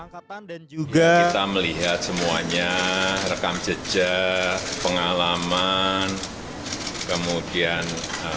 kita melihat semuanya rekam jejak pengalaman kemudian